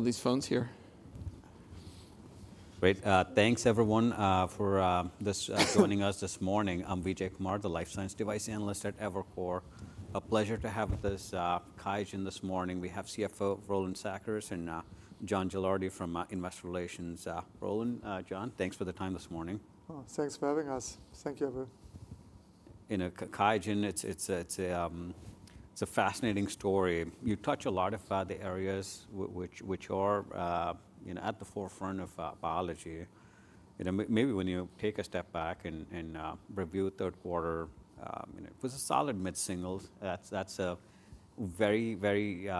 These phones here. Great. Thanks, everyone, for joining us this morning. I'm Vijay Kumar, the life science device analyst at Evercore ISI. A pleasure to have QIAGEN this morning. We have CFO Roland Sackers and John Gilardi from Investor Relations. Roland, John, thanks for the time this morning. Thanks for having us. Thank you, everyone. QIAGEN, it's a fascinating story. You touch a lot of the areas which are at the forefront of biology. Maybe when you take a step back and review third quarter, it was a solid mid-single. That's a very, very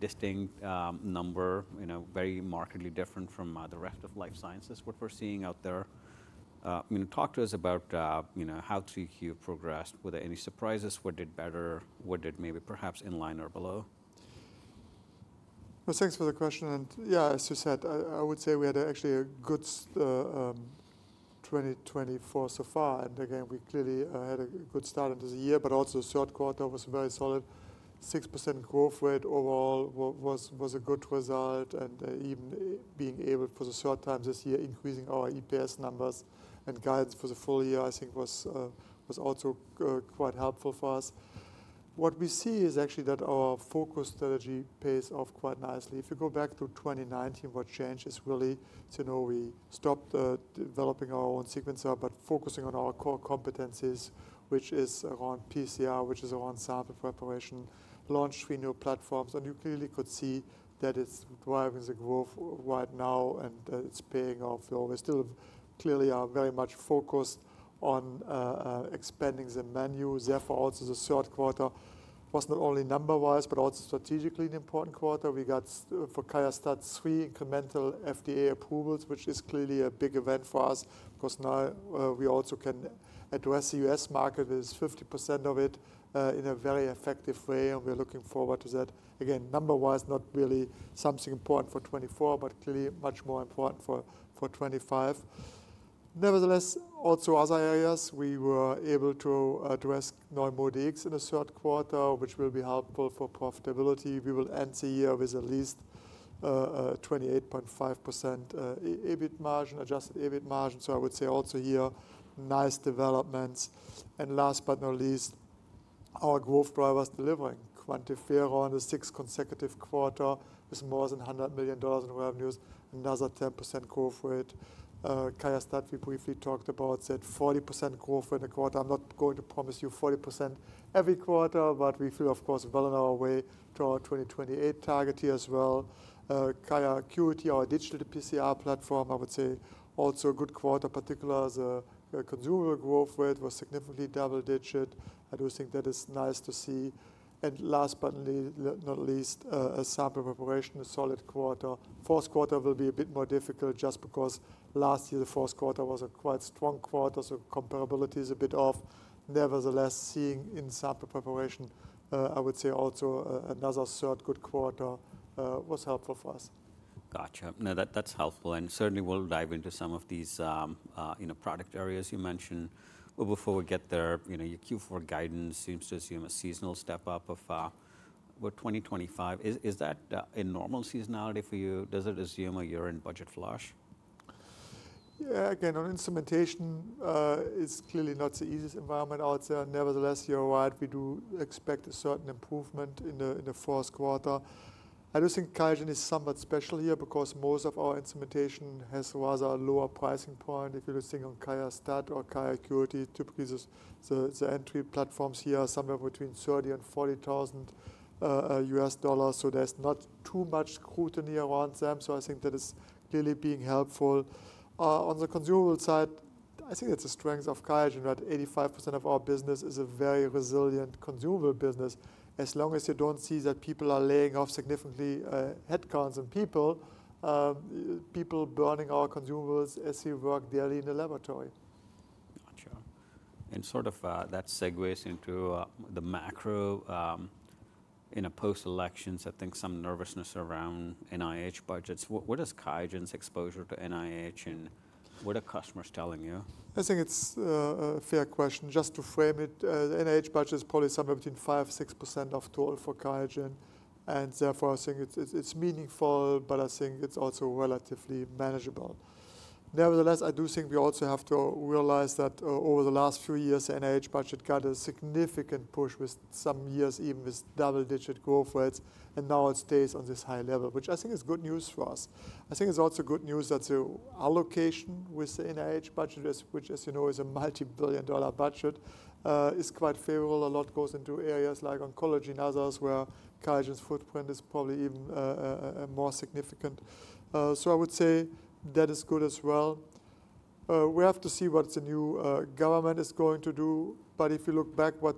distinct number, very markedly different from the rest of life sciences, what we're seeing out there. Talk to us about how 3Q progressed. Were there any surprises? What did better? What did maybe perhaps in line or below? Thanks for the question. Yeah, as you said, I would say we had actually a good 2024 so far. Again, we clearly had a good start into the year, but also the third quarter was very solid. 6% growth rate overall was a good result. Even being able for the third time this year, increasing our EPS numbers and guidance for the full year, I think was also quite helpful for us. What we see is actually that our focus strategy pays off quite nicely. If you go back to 2019, what changed is really we stopped developing our own sequencer, but focusing on our core competencies, which is around PCR, which is around sample preparation, launched three new platforms. You clearly could see that it's driving the growth right now, and it's paying off. We still clearly are very much focused on expanding the menu. Therefore, also the third quarter was not only number-wise, but also strategically an important quarter. We got for QIAGEN three incremental FDA approvals, which is clearly a big event for us, because now we also can address the US market with 50% of it in a very effective way. And we're looking forward to that. Again, number-wise, not really something important for 2024, but clearly much more important for 2025. Nevertheless, also other areas, we were able to address NeuMoDx in the third quarter, which will be helpful for profitability. We will end the year with at least 28.5% adjusted EBIT margin. So I would say also here, nice developments. And last but not least, our growth drivers delivering. QuantiFERON on the sixth consecutive quarter with more than $100 million in revenues, another 10% growth rate. QIAcuity, we briefly talked about, said 40% growth in the quarter. I'm not going to promise you 40% every quarter, but we feel, of course, well on our way to our 2028 target here as well. QIAcuity, our digital PCR platform, I would say also a good quarter, particularly the consumables growth rate was significantly double-digit. I do think that is nice to see, and last but not least, sample preparation, a solid quarter. Fourth quarter will be a bit more difficult, just because last year the fourth quarter was a quite strong quarter, so comparability is a bit off. Nevertheless, seeing in sample preparation, I would say also another third good quarter was helpful for us. Gotcha. No, that's helpful. And certainly, we'll dive into some of these product areas you mentioned. But before we get there, your Q4 guidance seems to assume a seasonal step-up of about 2025. Is that a normal seasonality for you? Does it assume a year-end budget flush? Yeah. Again, on instrumentation, it's clearly not the easiest environment out there. Nevertheless, year-round, we do expect a certain improvement in the fourth quarter. I do think QIAGEN is somewhat special here, because most of our instrumentation has rather a lower pricing point. If you're looking on QIAGEN, QIAsymphony, or QIAcuity, typically the entry platforms here are somewhere between $30,000-$40,000 US dollars. So there's not too much scrutiny around them. So I think that is clearly being helpful. On the consumable side, I think it's a strength of QIAGEN, that 85% of our business is a very resilient consumable business, as long as you don't see that people are laying off significantly headcounts and people, people burning our consumables as they work daily in the laboratory. Gotcha. And sort of that segues into the macro. In post-elections, I think some nervousness around NIH budgets. What is QIAGEN's exposure to NIH, and what are customers telling you? I think it's a fair question. Just to frame it, the NIH budget is probably somewhere between 5%-6% of total for QIAGEN, and therefore, I think it's meaningful, but I think it's also relatively manageable. Nevertheless, I do think we also have to realize that over the last few years, the NIH budget got a significant push with some years, even with double-digit growth rates, and now it stays on this high level, which I think is good news for us. I think it's also good news that the allocation with the NIH budget, which, as you know, is a multi-billion-dollar dollar budget, is quite favorable. A lot goes into areas like oncology and others, where QIAGEN's footprint is probably even more significant, so I would say that is good as well. We have to see what the new government is going to do. But if you look back, what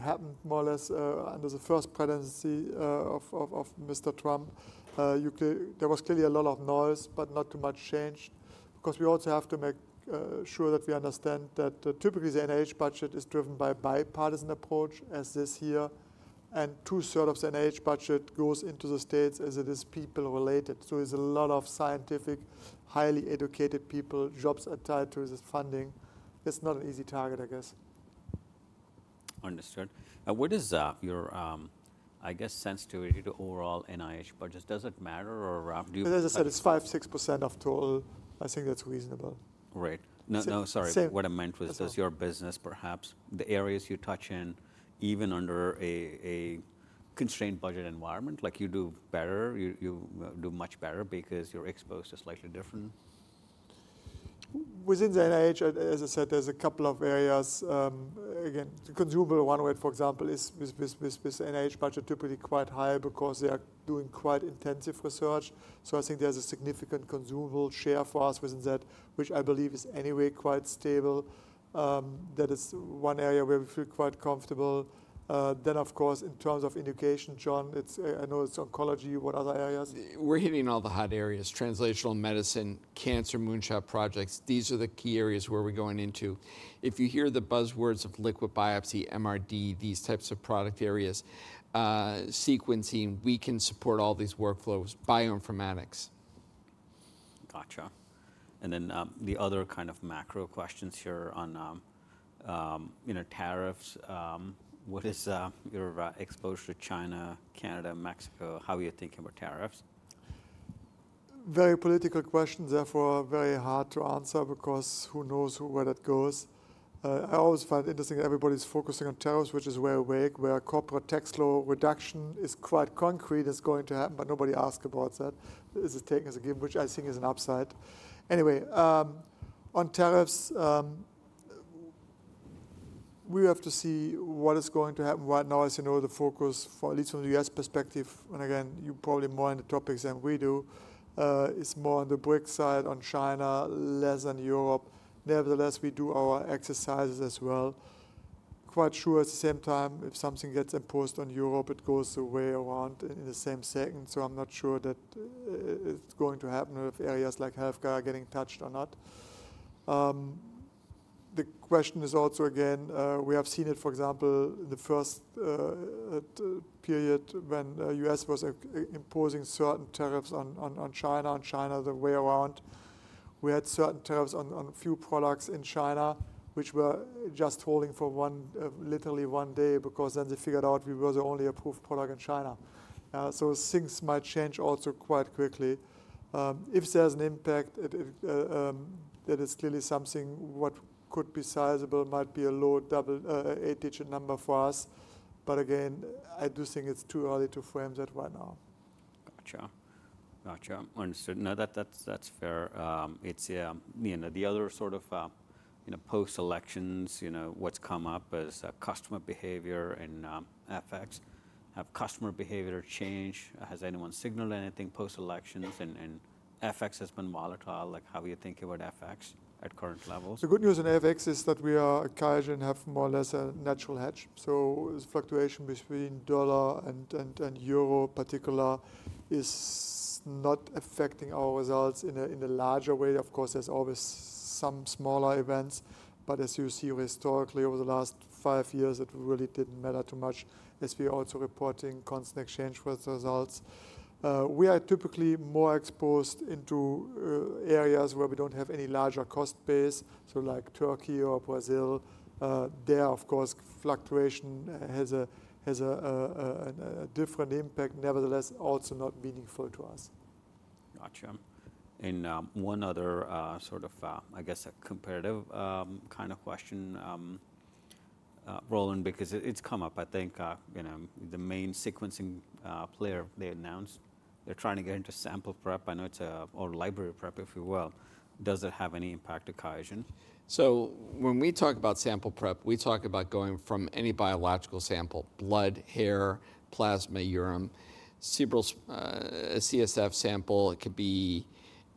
happened more or less under the first presidency of Mr. Trump, there was clearly a lot of noise, but not too much change. Because we also have to make sure that we understand that typically the NIH budget is driven by a bipartisan approach, as this year. And two-thirds of the NIH budget goes into the states, as it is people-related. So there's a lot of scientific, highly educated people, jobs tied to this funding. It's not an easy target, I guess. Understood. What is your, I guess, sensitivity to overall NIH budget? Does it matter? As I said, it's 5%-6% of total. I think that's reasonable. Right. No, sorry. What I meant was just your business, perhaps. The areas you touch in, even under a constrained budget environment, like you do better, you do much better, because you're exposed to slightly different. Within the NIH, as I said, there's a couple of areas. Again, the consumable one way, for example, is with NIH budget typically quite high, because they are doing quite intensive research. So I think there's a significant consumable share for us within that, which I believe is anyway quite stable. That is one area where we feel quite comfortable. Then, of course, in terms of education, John, I know it's oncology. What other areas? We're hitting all the hot areas. Translational medicine, Cancer Moonshot projects, these are the key areas where we're going into. If you hear the buzzwords of liquid biopsy, MRD, these types of product areas, sequencing, we can support all these workflows, bioinformatics. Gotcha. And then the other kind of macro questions here on tariffs. What is your exposure to China, Canada, Mexico? How are you thinking about tariffs? Very political questions. Therefore, very hard to answer, because who knows where that goes. I always find it interesting that everybody's focusing on tariffs, which is very vague, where corporate tax law reduction is quite concrete is going to happen, but nobody asks about that. It is taken as a given, which I think is an upside. Anyway, on tariffs, we have to see what is going to happen. Right now, as you know, the focus, at least from the U.S. perspective, and again, you're probably more on the topics than we do, is more on the BRICS side, on China, less on Europe. Nevertheless, we do our exercises as well. Quite sure at the same time, if something gets imposed on Europe, it goes the way around in the same second. So I'm not sure that it's going to happen with areas like healthcare getting touched or not. The question is also, again, we have seen it, for example, in the first period when the U.S. was imposing certain tariffs on China, on China, the way around. We had certain tariffs on a few products in China, which were just holding for literally one day, because then they figured out we were the only approved product in China. So things might change also quite quickly. If there's an impact, that is clearly something what could be sizable might be a low eight-digit number for us. But again, I do think it's too early to frame that right now. Gotcha. Gotcha. Understood. No, that's fair. The other sort of post-elections, what's come up is customer behavior and FX. Have customer behavior changed? Has anyone signaled anything post-elections, and FX has been volatile. How are you thinking about FX at current levels? The good news on FX is that we at QIAGEN have more or less a natural hedge. So fluctuation between dollar and euro in particular is not affecting our results in a larger way. Of course, there's always some smaller events. But as you see historically over the last five years, it really didn't matter too much, as we are also reporting constant exchange with the results. We are typically more exposed into areas where we don't have any larger cost base, so like Turkey or Brazil. There, of course, fluctuation has a different impact. Nevertheless, also not meaningful to us. Gotcha. And one other sort of, I guess, a comparative kind of question, Roland, because it's come up, I think, the main sequencing player they announced. They're trying to get into sample prep. I know it's a library prep, if you will. Does it have any impact to QIAGEN? So when we talk about sample prep, we talk about going from any biological sample, blood, hair, plasma, urine, CSF sample. It could be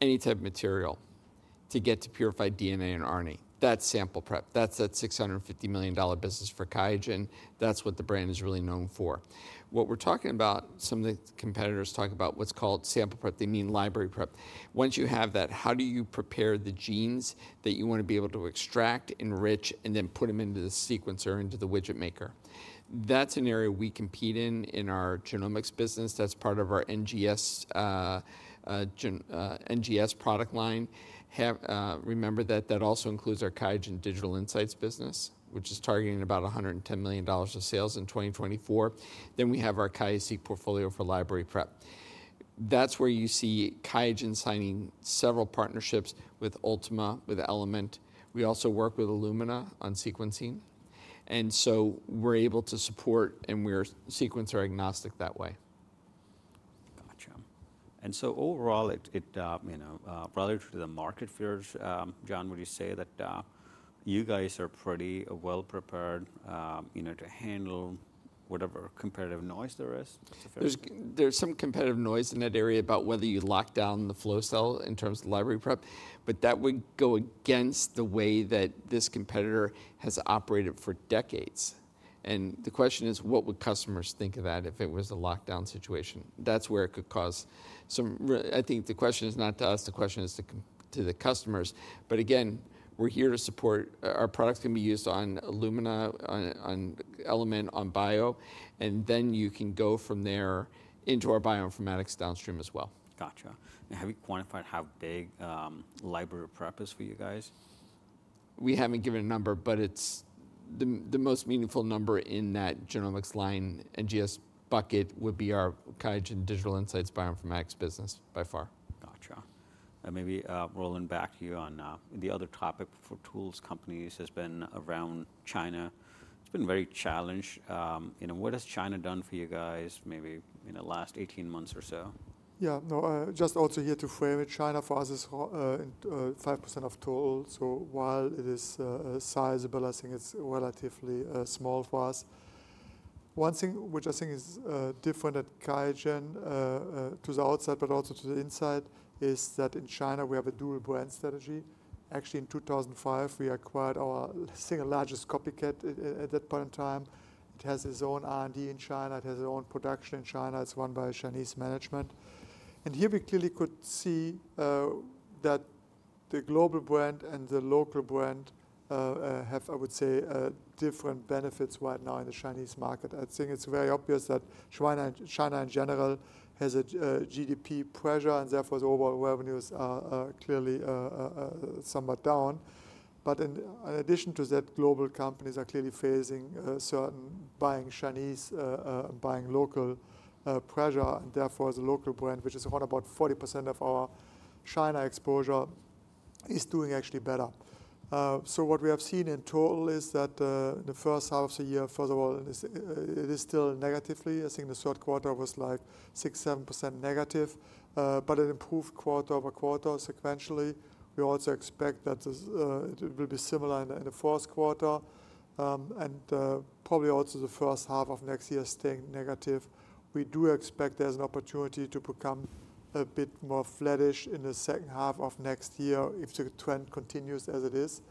any type of material to get to purified DNA and RNA. That's sample prep. That's that $650 million business for QIAGEN. That's what the brand is really known for. What we're talking about, some of the competitors talk about what's called sample prep. They mean library prep. Once you have that, how do you prepare the genes that you want to be able to extract, enrich, and then put them into the sequencer, into the widget maker? That's an area we compete in in our genomics business. That's part of our NGS product line. Remember that that also includes our QIAGEN Digital Insights business, which is targeting about $110 million of sales in 2024. Then we have our QIAseq portfolio for library prep. That's where you see QIAGEN signing several partnerships with Ultima, with Element. We also work with Illumina on sequencing. And so we're able to support, and we're sequencer agnostic that way. Gotcha. And so overall, relative to the market fears, John, would you say that you guys are pretty well prepared to handle whatever competitive noise there is? There's some competitive noise in that area about whether you lock down the flow cell in terms of library prep. But that would go against the way that this competitor has operated for decades. And the question is, what would customers think of that if it was a lockdown situation? That's where it could cause some. I think the question is not to us. The question is to the customers. But again, we're here to support. Our product's going to be used on Illumina, on Element, on PacBio. And then you can go from there into our bioinformatics downstream as well. Gotcha. Now, have you quantified how big library prep is for you guys? We haven't given a number, but the most meaningful number in that genomics line NGS bucket would be our QIAGEN Digital Insights bioinformatics business by far. Gotcha. Maybe, Roland, back to you on the other topic for tools companies has been around China. It's been very challenged. What has China done for you guys maybe in the last 18 months or so? Yeah. No, just also here to frame it, China for us is 5% of total. So while it is sizable, I think it's relatively small for us. One thing which I think is different at QIAGEN to the outside, but also to the inside, is that in China, we have a dual brand strategy. Actually, in 2005, we acquired our single largest copycat at that point in time. It has its own R&D in China. It has its own production in China. It's run by a Chinese management. And here we clearly could see that the global brand and the local brand have, I would say, different benefits right now in the Chinese market. I think it's very obvious that China in general has a GDP pressure, and therefore the overall revenues are clearly somewhat down. But in addition to that, global companies are clearly facing certain buying Chinese and buying local pressure. And therefore, the local brand, which is around about 40% of our China exposure, is doing actually better. So what we have seen in total is that in the first half of the year, first of all, it is still negative. I think the third quarter was like 6%-7% negative, but an improved quarter over quarter sequentially. We also expect that it will be similar in the fourth quarter. And probably also the first half of next year staying negative. We do expect there's an opportunity to become a bit more flattish in the second half of next year if the trend continues as it is.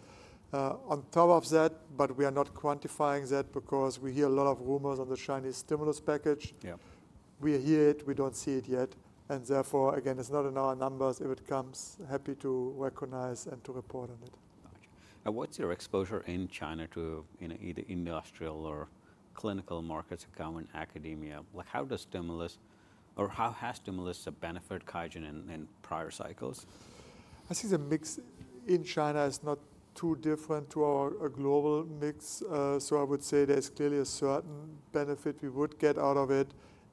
On top of that, we are not quantifying that because we hear a lot of rumors on the Chinese stimulus package. We hear it. We don't see it yet. And therefore, again, it's not in our numbers. If it comes, happy to recognize and to report on it. Gotcha. And what's your exposure in China to either industrial or clinical markets or academia? How does stimulus or how has stimulus benefited QIAGEN in prior cycles? I think the mix in China is not too different to our global mix. So I would say there's clearly a certain benefit we would get out of it.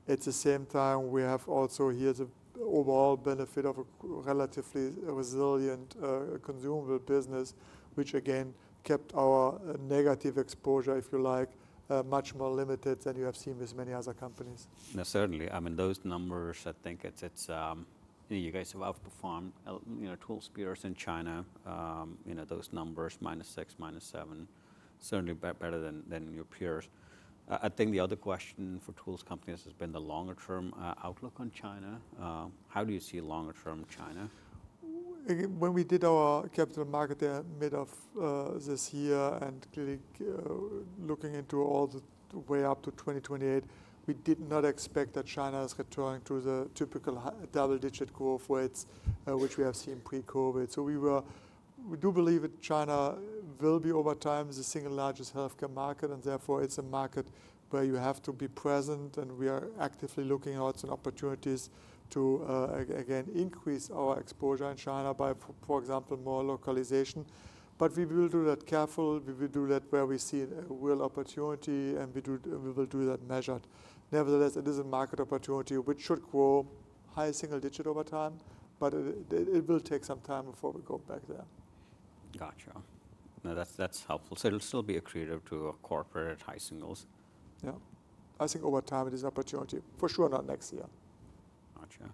At the same time, we have also here the overall benefit of a relatively resilient consumable business, which again kept our negative exposure, if you like, much more limited than you have seen with many other companies. No, certainly. I mean, those numbers, I think you guys have outperformed tools peers in China. Those numbers, minus 6%, minus 7%, certainly better than your peers. I think the other question for tools companies has been the longer-term outlook on China. How do you see longer-term China? When we did our capital markets day mid of this year and clearly looking into all the way up to 2028, we did not expect that China is returning to the typical double-digit growth rates, which we have seen pre-COVID, so we do believe that China will be over time the single largest healthcare market, and therefore, it's a market where you have to be present, and we are actively looking at some opportunities to, again, increase our exposure in China by, for example, more localization, but we will do that carefully. We will do that where we see a real opportunity, and we will do that measured. Nevertheless, it is a market opportunity which should grow high single-digit over time, but it will take some time before we go back there. Gotcha. No, that's helpful. So it'll still be accretive to a corporate at high singles. Yeah. I think over time it is an opportunity. For sure, not next year. Gotcha.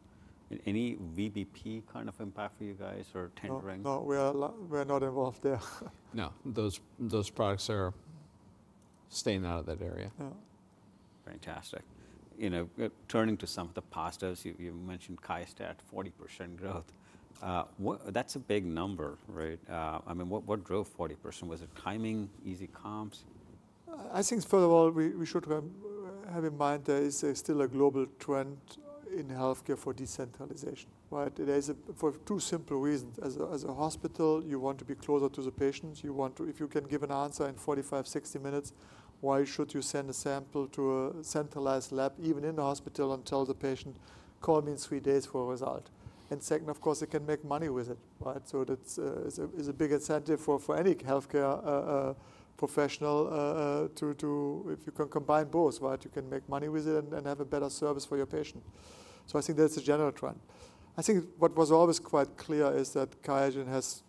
Any VBP kind of impact for you guys or 10x Genomics? No, we're not involved there. No. Those products are staying out of that area. Yeah. Fantastic. Turning to some of the positives, you mentioned QIAstat, 40% growth. That's a big number, right? I mean, what drove 40%? Was it timing, easy comps? I think, first of all, we should have in mind there is still a global trend in healthcare for decentralization. It is for two simple reasons. As a hospital, you want to be closer to the patients. If you can give an answer in 45, 60 minutes, why should you send a sample to a centralized lab, even in the hospital, and tell the patient, "Call me in three days for a result"? And second, of course, they can make money with it. So it is a big incentive for any healthcare professional to, if you can combine both, you can make money with it and have a better service for your patient. So I think that's a general trend. I think what was always quite clear is that QIAGEN has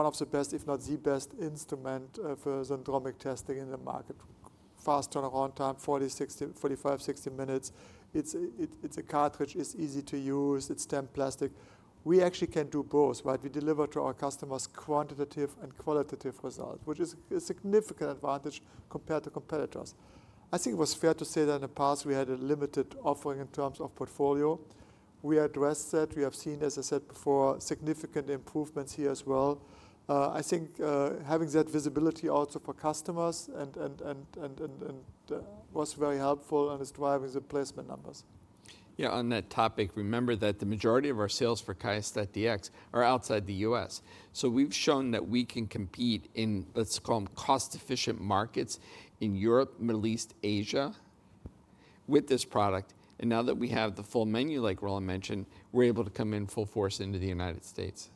one of the best, if not the best instrument for syndromic testing in the market. Fast turnaround time, 45-60 minutes. It's a cartridge. It's easy to use. It's stamped plastic. We actually can do both. We deliver to our customers quantitative and qualitative results, which is a significant advantage compared to competitors. I think it was fair to say that in the past we had a limited offering in terms of portfolio. We addressed that. We have seen, as I said before, significant improvements here as well. I think having that visibility also for customers was very helpful and is driving the placement numbers. Yeah. On that topic, remember that the majority of our sales for QIAstat-Dx are outside the U.S. So we've shown that we can compete in, let's call them, cost-efficient markets in Europe, Middle East, Asia with this product. And now that we have the full menu, like Roland mentioned, we're able to come in full force into the United States.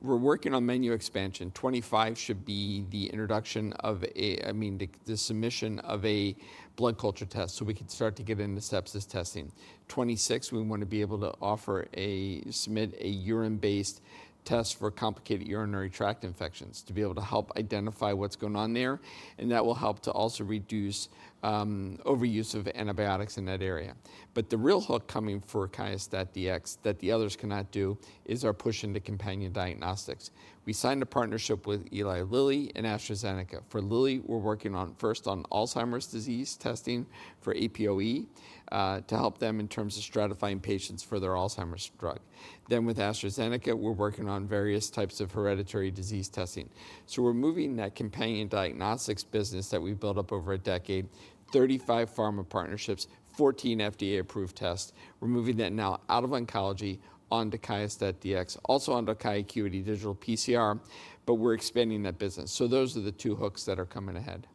We're working on menu expansion. 2025 should be the introduction of, I mean, the submission of a blood culture test so we can start to get into sepsis testing. 2026, we want to be able to offer to submit a urine-based test for complicated urinary tract infections to be able to help identify what's going on there. And that will help to also reduce overuse of antibiotics in that area. But the real hook coming for QIAstat-Dx that the others cannot do is our push into companion diagnostics. We signed a partnership with Eli Lilly and AstraZeneca. For Lilly, we're working on first on Alzheimer's disease testing for APOE to help them in terms of stratifying patients for their Alzheimer's drug. Then with AstraZeneca, we're working on various types of hereditary disease testing. So we're moving that companion diagnostics business that we built up over a decade, 35 pharma partnerships, 14 FDA-approved tests. We're moving that now out of oncology onto QIAstat-Dx, also onto QIAcuity Digital PCR. But we're expanding that business. So those are the two hooks that are coming ahead.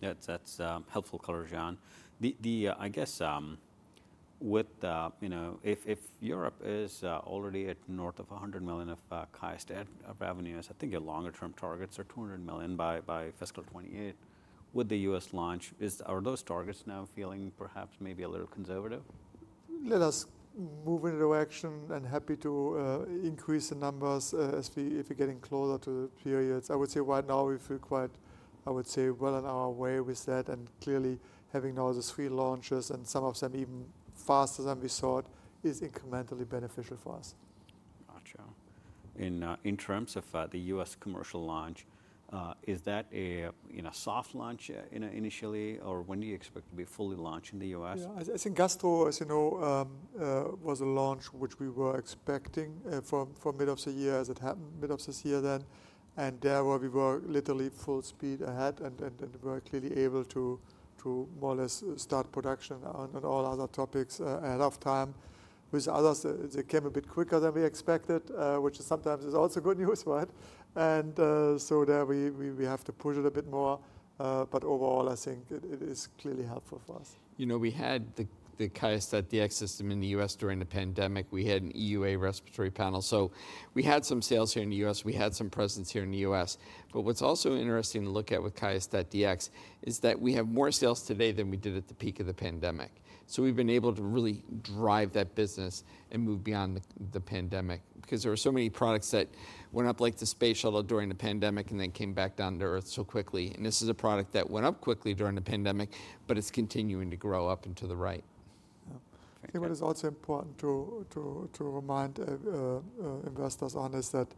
Yeah. That's helpful clarity, John. I guess if Europe is already at north of $100 million of QIAstat-Dx revenues, I think your longer-term targets are $200 million by fiscal 2028. With the US launch, are those targets now feeling perhaps maybe a little conservative? Let us move into action and happy to increase the numbers if we're getting closer to the periods. I would say right now we feel quite, I would say, well on our way with that, and clearly, having now the three launches and some of them even faster than we thought is incrementally beneficial for us. Gotcha. In terms of the U.S. commercial launch, is that a soft launch initially? Or when do you expect to be fully launched in the U.S.? Yeah. I think QIAstat, as you know, was a launch which we were expecting for mid of the year as it happened mid of this year then. And there we were literally full speed ahead. And we were clearly able to more or less start production on all other topics ahead of time. With others, they came a bit quicker than we expected, which sometimes is also good news. And so there we have to push it a bit more. But overall, I think it is clearly helpful for us. We had the QIAstat-Dx system in the U.S. during the pandemic. We had an EUA respiratory panel. So we had some sales here in the U.S. We had some presence here in the U.S. But what's also interesting to look at with QIAstat-Dx is that we have more sales today than we did at the peak of the pandemic. So we've been able to really drive that business and move beyond the pandemic because there were so many products that went up like the space shuttle during the pandemic and then came back down to earth so quickly. And this is a product that went up quickly during the pandemic, but it's continuing to grow up and to the right. I think what is also important to remind investors on is that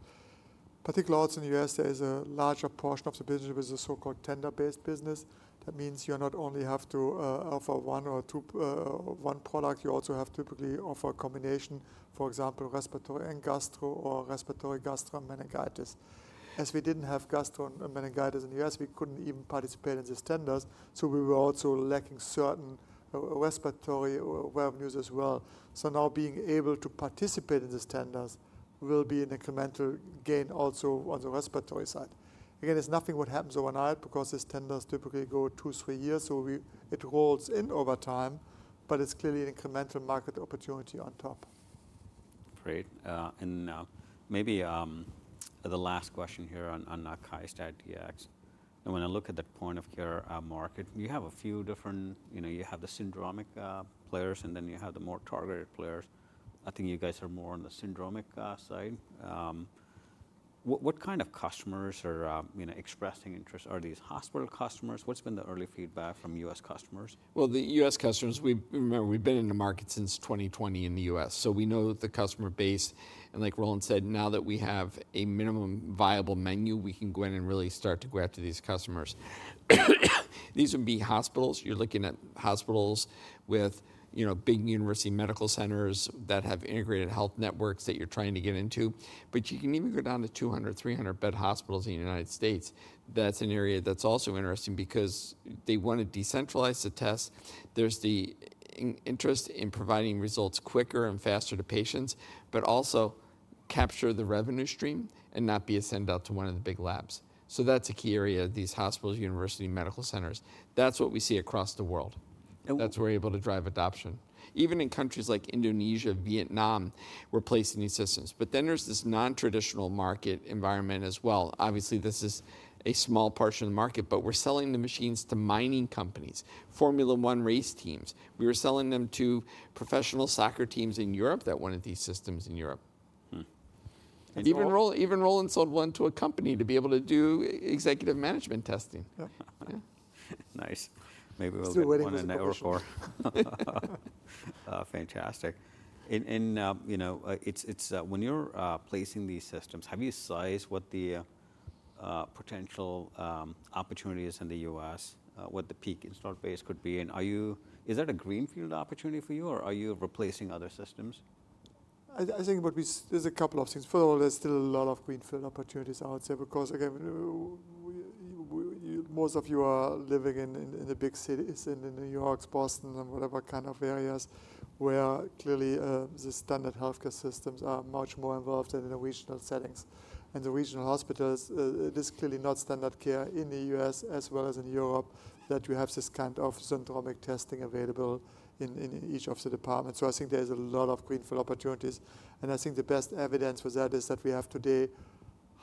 particularly also in the U.S., there is a larger portion of the business with the so-called tender-based business. That means you not only have to offer one or two products. You also have to typically offer a combination, for example, respiratory and gastro or respiratory gastro meningitis. As we didn't have gastro meningitis in the U.S., we couldn't even participate in these tenders. So we were also lacking certain respiratory revenues as well. So now being able to participate in these tenders will be an incremental gain also on the respiratory side. Again, it's nothing what happens overnight because these tenders typically go two, three years. So it rolls in over time. But it's clearly an incremental market opportunity on top. Great. And maybe the last question here on QIAstat-Dx. And when I look at that point of care market, you have a few different, you have the syndromic players. And then you have the more targeted players. I think you guys are more on the syndromic side. What kind of customers are expressing interest? Are these hospital customers? What's been the early feedback from U.S. customers? Well, the U.S. customers, we remember we've been in the market since 2020 in the U.S. So we know that the customer base, and like Roland said, now that we have a minimum viable menu, we can go in and really start to grab to these customers. These would be hospitals. You're looking at hospitals with big university medical centers that have integrated health networks that you're trying to get into. But you can even go down to 200-300-bed hospitals in the United States. That's an area that's also interesting because they want to decentralize the test. There's the interest in providing results quicker and faster to patients, but also capture the revenue stream and not be a send-out to one of the big labs. So that's a key area of these hospitals, university medical centers. That's what we see across the world. That's where we're able to drive adoption. Even in countries like Indonesia, Vietnam, we're placing these systems. But then there's this non-traditional market environment as well. Obviously, this is a small portion of the market, but we're selling the machines to mining companies, Formula One race teams. We were selling them to professional soccer teams in Europe that wanted these systems in Europe. Even Roland sold one to a company to be able to do executive management testing. Yeah. Nice. Maybe we'll do one in that report. Fantastic. And when you're placing these systems, have you sized what the potential opportunities in the U.S., what the peak installed base could be? And is that a greenfield opportunity for you? Or are you replacing other systems? I think there's a couple of things. First of all, there's still a lot of greenfield opportunities out there because, again, most of you are living in the big cities in New York, Boston, and whatever kind of areas where clearly the standard healthcare systems are much more involved than in the regional settings. And the regional hospitals, it is clearly not standard care in the U.S. as well as in Europe that you have this kind of syndromic testing available in each of the departments. So I think there's a lot of greenfield opportunities. And I think the best evidence for that is that we have today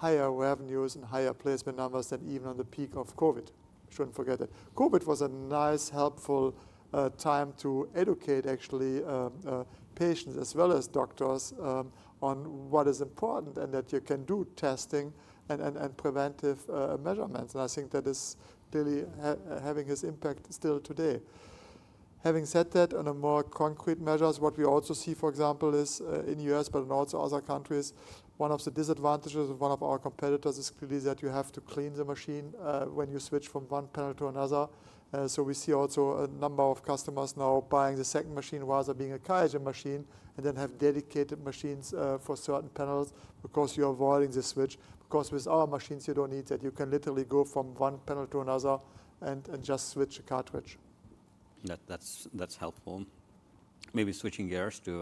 higher revenues and higher placement numbers than even on the peak of COVID. We shouldn't forget that. COVID was a nice, helpful time to educate actually patients as well as doctors on what is important and that you can do testing and preventive measures. And I think that is clearly having its impact still today. Having said that, on a more concrete measures, what we also see, for example, is in the US but also in other countries, one of the disadvantages of one of our competitors is clearly that you have to clean the machine when you switch from one panel to another. So we see also a number of customers now buying the second machine rather than having one machine and then have dedicated machines for certain panels because you're avoiding the switch. Because with our machines, you don't need that. You can literally go from one panel to another and just switch a cartridge. That's helpful. Maybe switching gears to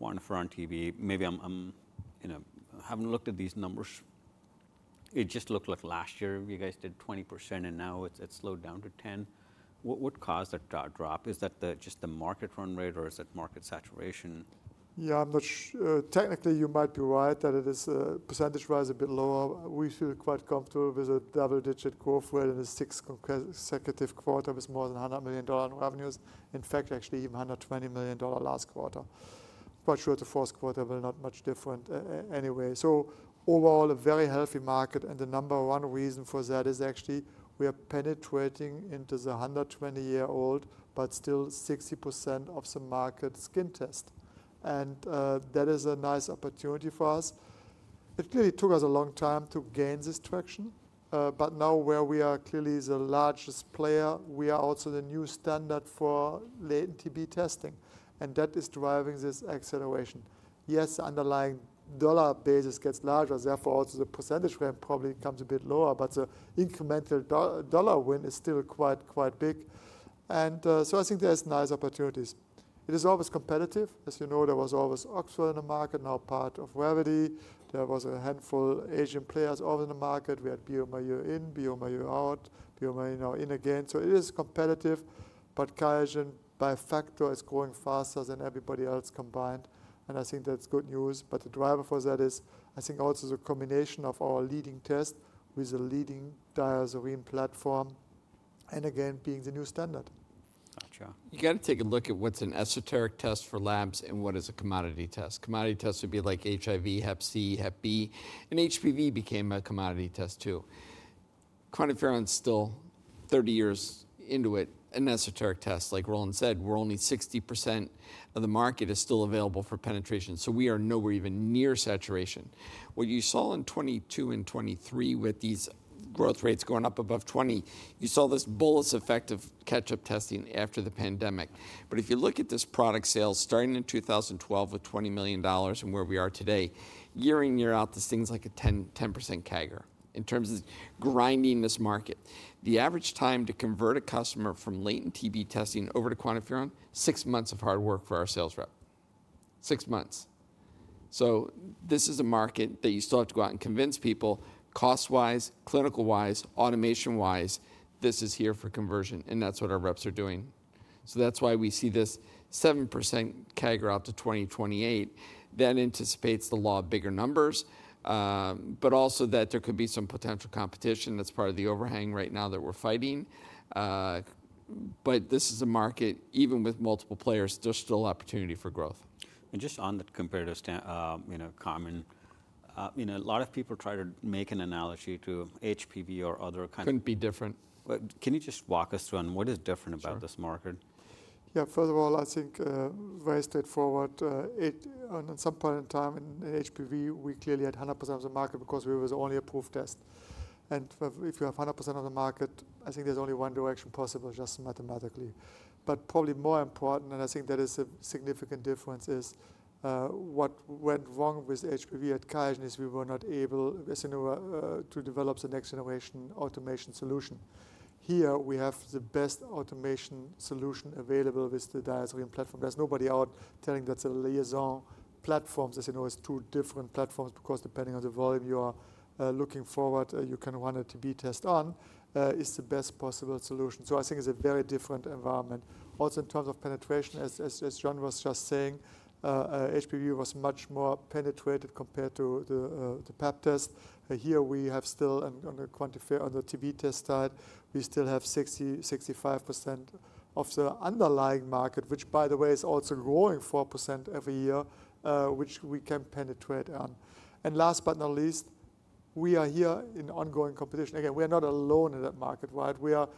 QuantiFERON TB. Maybe having looked at these numbers. It just looked like last year you guys did 20%. And now it's slowed down to 10%. What caused that drop? Is that just the market run rate? Or is it market saturation? Yeah. Technically, you might be right that it is percentage-wise a bit lower. We feel quite comfortable with a double-digit growth rate in the sixth consecutive quarter with more than $100 million in revenues. In fact, actually even $120 million last quarter. Quite sure the fourth quarter will not be much different anyway. So overall, a very healthy market. And the number one reason for that is actually we are penetrating into the 120-year-old, but still 60% of the market skin test. And that is a nice opportunity for us. It clearly took us a long time to gain this traction. But now where we are clearly the largest player, we are also the new standard for latent TB testing. And that is driving this acceleration. Yes, the underlying dollar basis gets larger. Therefore, also the percentage rate probably comes a bit lower. But the incremental dollar win is still quite, quite big. And so I think there's nice opportunities. It is always competitive. As you know, there was always Oxford in the market, now part of Revvity. There was a handful of Asian players over in the market. We had bioMérieux in, bioMérieux out, bioMérieux now in again. So it is competitive. But QIAGEN, by factor, is growing faster than everybody else combined. And I think that's good news. But the driver for that is, I think, also the combination of our leading test with the leading DiaSorin platform and again, being the new standard. Gotcha. You got to take a look at what's an esoteric test for labs and what is a commodity test. Commodity tests would be like HIV, Hep C, Hep B. And HPV became a commodity test too. QuantiFERON, for one, still 30 years into it, an esoteric test. Like Roland said, we're only 60% of the market is still available for penetration. So we are nowhere even near saturation. What you saw in 2022 and 2023 with these growth rates going up above 20%, you saw this balloon effect of catch-up testing after the pandemic. But if you look at this product sales starting in 2012 with $20 million and where we are today, year in, year out, there's things like a 10% CAGR in terms of grinding this market. The average time to convert a customer from latent TB testing over to QuantiFERON, six months of hard work for our sales rep. Six months. So this is a market that you still have to go out and convince people cost-wise, clinical-wise, automation-wise. This is here for conversion. And that's what our reps are doing. So that's why we see this 7% CAGR out to 2028. That anticipates the law of large numbers, but also that there could be some potential competition. That's part of the overhang right now that we're fighting. But this is a market, even with multiple players, there's still opportunity for growth. And just on the companion diagnostics, a lot of people try to make an analogy to HPV or other. Couldn't be different. Can you just walk us through on what is different about this market? Yeah. First of all, I think very straightforward. At some point in time in HPV, we clearly had 100% of the market because we were the only approved test. And if you have 100% of the market, I think there's only one direction possible, just mathematically. But probably more important, and I think that is a significant difference, is what went wrong with HPV at QIAGEN is we were not able to develop the next generation automation solution. Here, we have the best automation solution available with the DiaSorin platform. There's nobody out there that's a LIAISON platform. As you know, it's two different platforms because depending on the volume you are looking for, you can run a TB test on, is the best possible solution. So I think it's a very different environment. Also, in terms of penetration, as John was just saying, HPV was much more penetrated compared to the Pap test. Here, we have still on the TB test side, we still have 60%, 65% of the underlying market, which, by the way, is also growing 4% every year, which we can penetrate on. And last but not least, we are here in ongoing competition. Again, we are not alone in that market. We are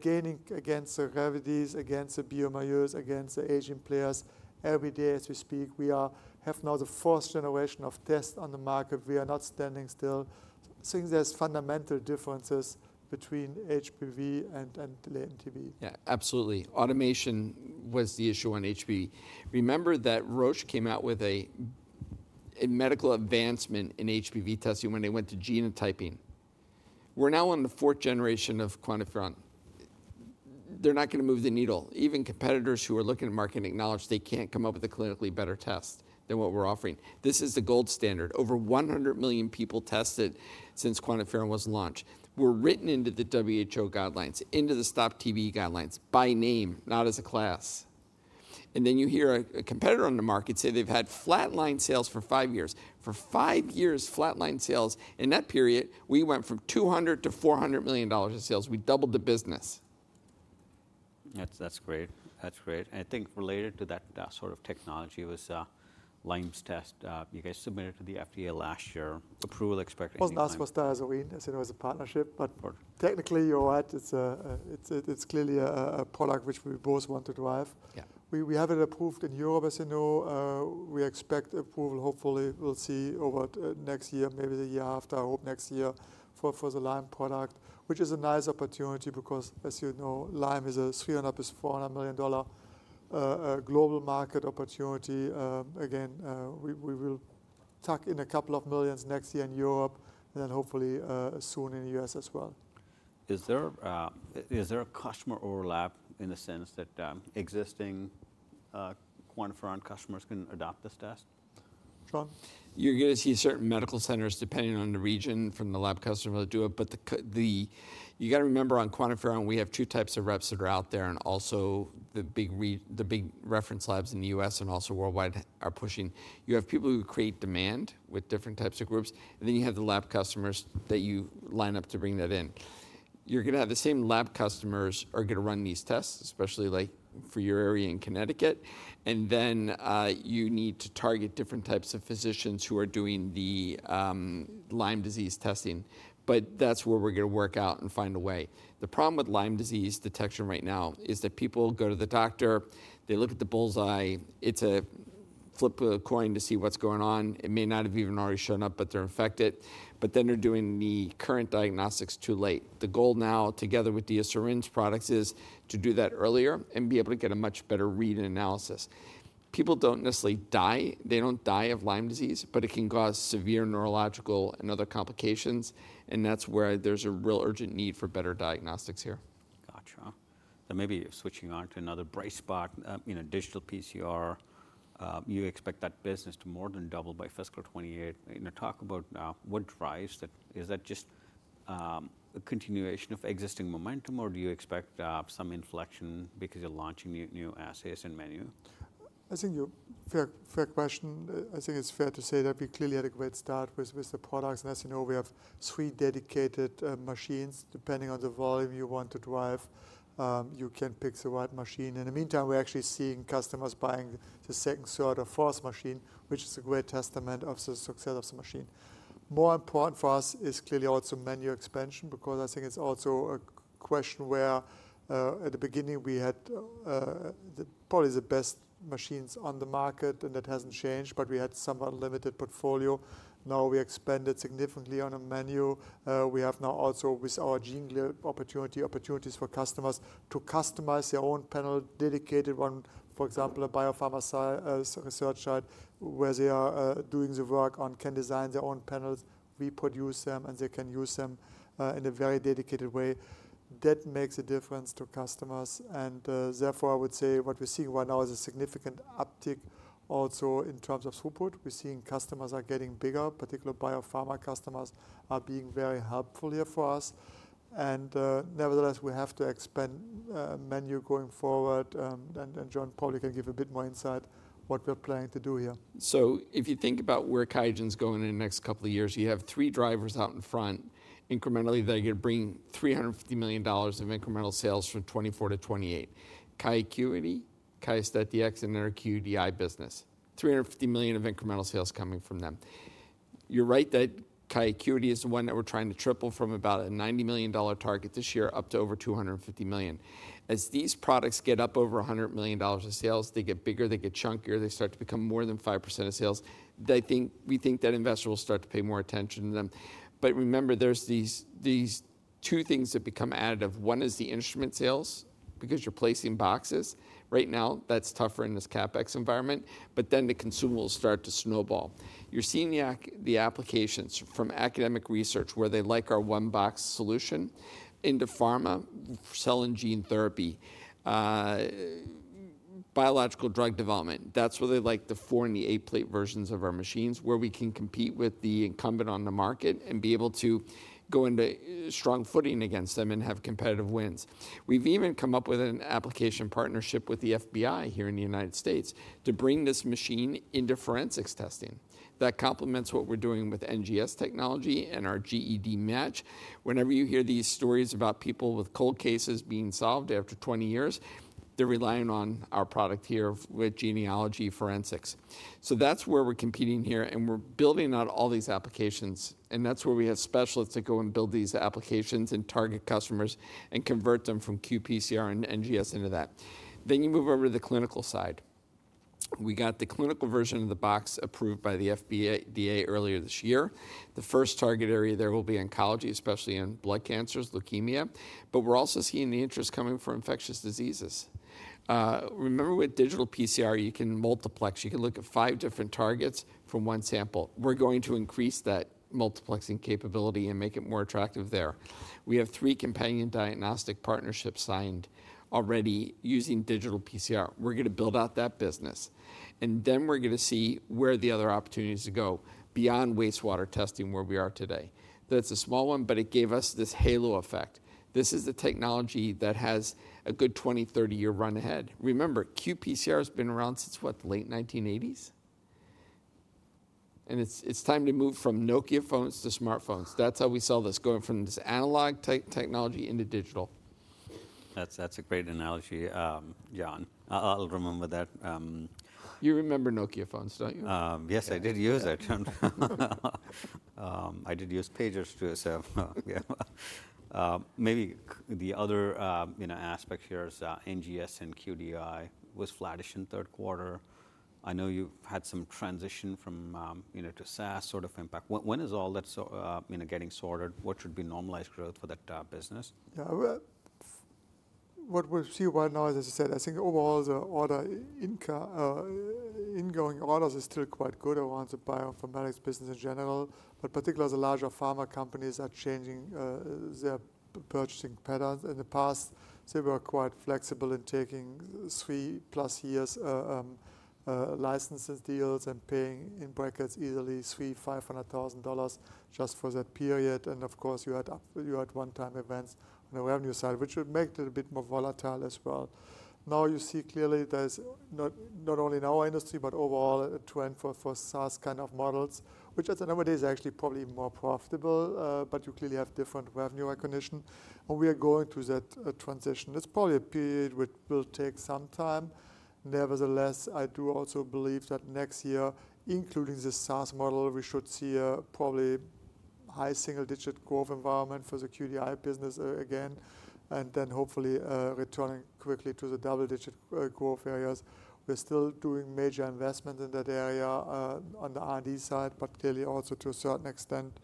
gaining against the Revvity, against the bioMérieux, against the Asian players. Every day as we speak, we have now the fourth generation of tests on the market. We are not standing still. So I think there's fundamental differences between HPV and latent TB. Yeah, absolutely. Automation was the issue on HPV. Remember that Roche came out with a medical advancement in HPV testing when they went to genotyping. We're now on the fourth generation of QuantiFERON. They're not going to move the needle. Even competitors who are looking at marketing acknowledge they can't come up with a clinically better test than what we're offering. This is the gold standard. Over 100 million people tested since QuantiFERON was launched. We're written into the WHO guidelines, into the Stop TB guidelines by name, not as a class. And then you hear a competitor on the market say they've had flatline sales for five years. For five years, flatline sales. In that period, we went from $200-$400 million in sales. We doubled the business. That's great. That's great. And I think related to that sort of technology was Lyme test. You guys submitted to the FDA last year. Approval expectations. That's what DiaSorin is, a partnership. But technically, you're right. It's clearly a product which we both want to drive. We have it approved in Europe. As you know, we expect approval, hopefully. We'll see over next year, maybe the year after. I hope next year for the Lyme product, which is a nice opportunity because, as you know, Lyme is a $300-$400 million global market opportunity. Again, we will tuck in a couple of millions next year in Europe and then hopefully soon in the US as well. Is there a customer overlap in the sense that existing QuantiFERON customers can adopt this test? John? You're going to see certain medical centers depending on the region from the lab customer that do it. But you got to remember on QuantiFERON, we have two types of reps that are out there. And also, the big reference labs in the U.S. and also worldwide are pushing. You have people who create demand with different types of groups. And then you have the lab customers that you line up to bring that in. You're going to have the same lab customers are going to run these tests, especially like for your area in Connecticut. And then you need to target different types of physicians who are doing the Lyme disease testing. But that's where we're going to work out and find a way. The problem with Lyme disease detection right now is that people go to the doctor. They look at the bull's eye. It's a flip of a coin to see what's going on. It may not have even already shown up, but they're infected, but then they're doing the current diagnostics too late. The goal now, together with the DiaSorin's products, is to do that earlier and be able to get a much better read and analysis. People don't necessarily die. They don't die of Lyme disease, but it can cause severe neurological and other complications, and that's where there's a real urgent need for better diagnostics here. Gotcha, so maybe switching on to another bright spot, digital PCR. You expect that business to more than double by fiscal 28. Talk about what drives that. Is that just a continuation of existing momentum? Or do you expect some inflection because you're launching new assays and menu? I think your fair question. I think it's fair to say that we clearly had a great start with the products. And as you know, we have three dedicated machines. Depending on the volume you want to drive, you can pick the right machine. In the meantime, we're actually seeing customers buying the second, third, or fourth machine, which is a great testament of the success of the machine. More important for us is clearly also menu expansion because I think it's also a question where at the beginning, we had probably the best machines on the market. And that hasn't changed. But we had somewhat limited portfolio. Now we expanded significantly on a menu. We have now also with our NGS opportunities for customers to customize their own panel, dedicated one, for example, a biopharma research site where they are doing the work, can design their own panels, reproduce them, and they can use them in a very dedicated way. That makes a difference to customers. And therefore, I would say what we're seeing right now is a significant uptick also in terms of throughput. We're seeing customers are getting bigger. Particular biopharma customers are being very helpful here for us. And nevertheless, we have to expand menu going forward. And John probably can give a bit more insight what we're planning to do here. So if you think about where QIAGEN's going in the next couple of years, you have three drivers out in front. Incrementally, they're going to bring $350 million of incremental sales from 2024 to 2028. QIAcuity, QIAstat-Dx, and their QDI business. $350 million of incremental sales coming from them. You're right that QIAcuity is the one that we're trying to triple from about a $90 million target this year up to over $250 million. As these products get up over $100 million of sales, they get bigger, they get chunkier, they start to become more than 5% of sales. I think we think that investors will start to pay more attention to them. But remember, there's these two things that become additive. One is the instrument sales because you're placing boxes. Right now, that's tougher in this CapEx environment. But then the consumables will start to snowball. You're seeing the applications from academic research where they like our one-box solution into pharma, cell and gene therapy, biological drug development. That's where they like the four and the eight plate versions of our machines where we can compete with the incumbent on the market and be able to go into strong footing against them and have competitive wins. We've even come up with an application partnership with the FBI here in the United States to bring this machine into forensics testing. That complements what we're doing with NGS technology and our GEDmatch. Whenever you hear these stories about people with cold cases being solved after 20 years, they're relying on our product here with genealogy forensics. So that's where we're competing here. And we're building out all these applications. And that's where we have specialists that go and build these applications and target customers and convert them from qPCR and NGS into that. Then you move over to the clinical side. We got the clinical version of the box approved by the FDA earlier this year. The first target area there will be oncology, especially in blood cancers, leukemia. But we're also seeing the interest coming from infectious diseases. Remember with digital PCR, you can multiplex. You can look at five different targets from one sample. We're going to increase that multiplexing capability and make it more attractive there. We have three companion diagnostic partnerships signed already using digital PCR. We're going to build out that business. And then we're going to see where the other opportunities to go beyond wastewater testing where we are today. That's a small one, but it gave us this halo effect. This is the technology that has a good 20, 30-year run ahead. Remember, QPCR has been around since, what, the late 1980s, and it's time to move from Nokia phones to smartphones. That's how we sell this, going from this analog technology into digital. That's a great analogy, John. I'll remember that. You remember Nokia phones, don't you? Yes, I did use it. I did use pagers too, so. Maybe the other aspect here is NGS and QDI was flattish in third quarter. I know you've had some transition from to SaaS sort of impact. When is all that getting sorted? What should be normalized growth for that business? Yeah. What we see right now, as I said, I think overall the incoming orders is still quite good around the biopharma business in general. But particularly as the larger pharma companies are changing their purchasing patterns. In the past, they were quite flexible in taking three-plus years licenses deals and paying in brackets easily $300,000, $500,000 just for that period. And of course, you had one-time events on the revenue side, which would make it a bit more volatile as well. Now you see clearly there's not only in our industry, but overall a trend for SaaS kind of models, which at the end of the day is actually probably more profitable. But you clearly have different revenue recognition. And we are going through that transition. It's probably a period which will take some time. Nevertheless, I do also believe that next year, including the SaaS model, we should see a probably high single-digit growth environment for the QDI business again, and then hopefully returning quickly to the double-digit growth areas. We're still doing major investments in that area on the R&D side, but clearly also to a certain extent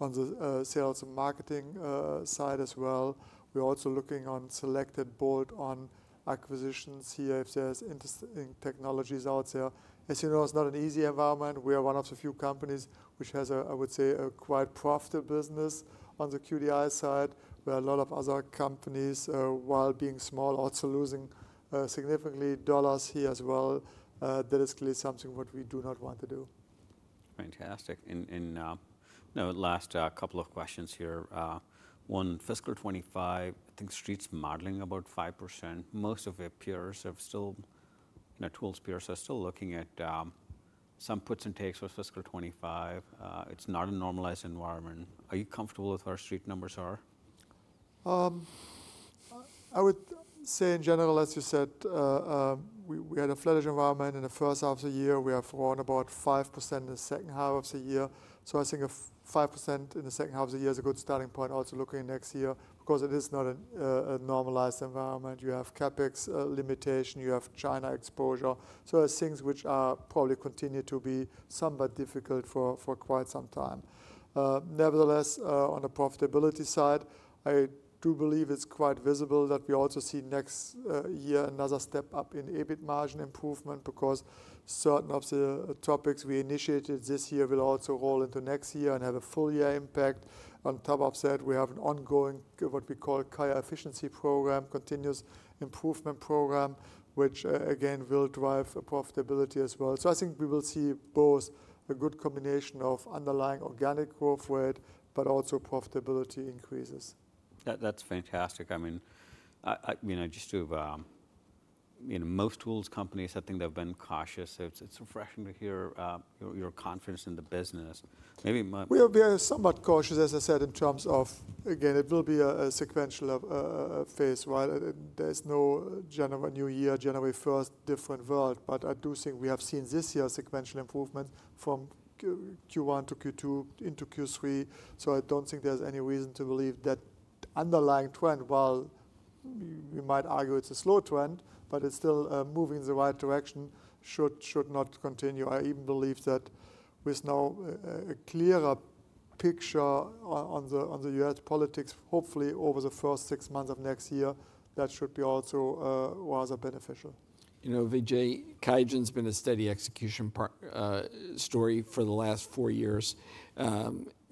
on the sales and marketing side as well. We're also looking on selected bolt-on acquisitions here if there's interesting technologies out there. As you know, it's not an easy environment. We are one of the few companies which has, I would say, a quite profitable business on the QDI side, where a lot of other companies, while being small, are also losing significant dollars here as well. That is clearly something what we do not want to do. Fantastic. And now last couple of questions here. One, fiscal 2025, I think Street's modeling about 5%. Most of their peers have. Still, tools peers are still looking at some puts and takes with fiscal 2025. It's not a normalized environment. Are you comfortable with where Street numbers are? I would say in general, as you said, we had a flattish environment. In the first half of the year, we have grown about 5% in the second half of the year. So I think 5% in the second half of the year is a good starting point also looking next year because it is not a normalized environment. You have CapEx limitation. You have China exposure. So there are things which are probably continue to be somewhat difficult for quite some time. Nevertheless, on the profitability side, I do believe it's quite visible that we also see next year another step up in EBIT margin improvement because certain of the topics we initiated this year will also roll into next year and have a full year impact. On top of that, we have an ongoing what we call QIAefficiency program, continuous improvement program, which again will drive profitability as well. So I think we will see both a good combination of underlying organic growth rate, but also profitability increases. That's fantastic. I mean, I just follow most tools companies, I think they've been cautious. It's refreshing to hear your confidence in the business. Maybe. We are somewhat cautious, as I said, in terms of again, it will be a sequential phase. There's no January new year, January 1st, different world. But I do think we have seen this year sequential improvement from Q1 to Q2 into Q3. So I don't think there's any reason to believe that underlying trend, while we might argue it's a slow trend, but it's still moving in the right direction, should not continue. I even believe that with now a clearer picture on the US politics, hopefully over the first six months of next year, that should be also rather beneficial. Vijay, QIAGEN's been a steady execution story for the last four years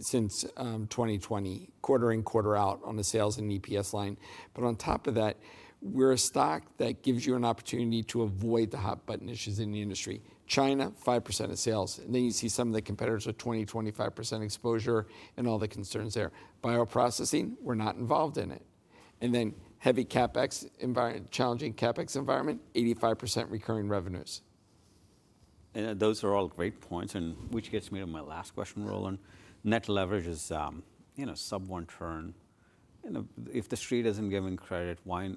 since 2020, quarter in, quarter out on the sales and EPS line. But on top of that, we're a stock that gives you an opportunity to avoid the hot button issues in the industry. China, 5% of sales. And then you see some of the competitors with 20-25% exposure and all the concerns there. Bioprocessing, we're not involved in it. And then heavy CapEx environment, challenging CapEx environment, 85% recurring revenues. And those are all great points. And which gets me to my last question, Roland. Net leverage is sub one turn. If the Street isn't giving credit, why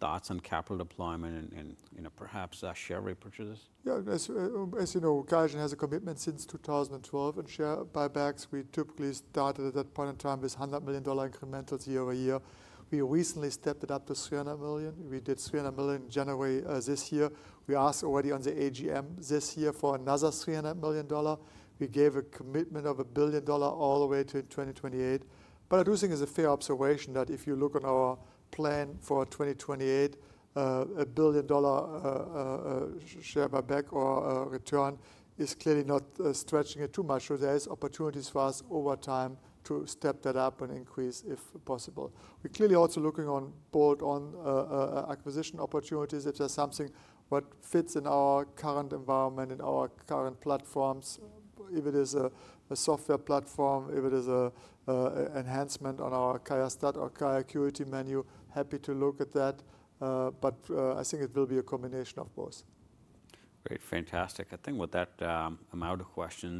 thoughts on capital deployment and perhaps share repurchases? Yeah. As you know, QIAGEN has a commitment since 2012 in share buybacks. We typically started at that point in time with $100 million incrementals year over year. We recently stepped it up to $300 million. We did $300 million in January this year. We asked already on the AGM this year for another $300 million. We gave a commitment of $1 billion all the way to 2028. But I do think it's a fair observation that if you look on our plan for 2028, a $1 billion share buyback or return is clearly not stretching it too much. So there are opportunities for us over time to step that up and increase if possible. We're clearly also looking on bolt-on acquisition opportunities. It is something what fits in our current environment, in our current platforms. If it is a software platform, if it is an enhancement on our QIAstat or QIAcuity menu, happy to look at that. But I think it will be a combination of both. Great. Fantastic. I think with that amount of questions.